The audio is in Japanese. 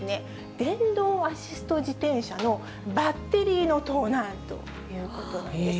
電動アシスト自転車のバッテリーの盗難ということなんです。